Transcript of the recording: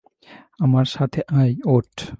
আমার সাথে আয়, ওঠ।